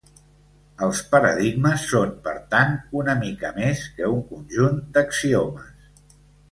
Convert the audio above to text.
Els paradigmes són, per tant, una mica més que un conjunt d'axiomes.